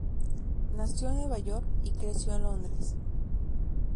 Nació en Nueva York y creció en Londres.